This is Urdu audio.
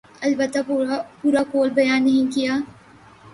البتہ پورا قول بیان نہیں کیا۔